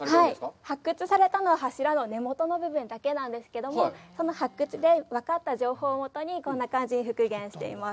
はい、発掘されたのは、柱の根元の部分だけなんですけれども、その発掘で分かった情報を基にこんな感じに復元しています。